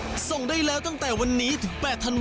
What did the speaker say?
ก็ส่งได้ตั้งแต่วันนี้ประกาศมาศพรรษิทธิบาย